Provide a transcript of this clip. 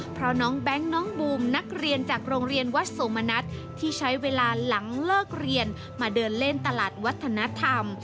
เพราะน้องแบงค์น้องบูมนักเรียนจากโรงเรียนวัดโสมณัฐที่ใช้เวลาหลังเลิกเรียนมาเดินเล่นตลาดวัฒนธรรม